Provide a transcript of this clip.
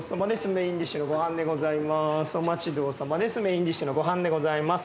メインディッシュのごはんでございます。